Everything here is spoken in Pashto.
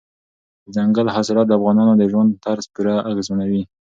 دځنګل حاصلات د افغانانو د ژوند طرز پوره اغېزمنوي.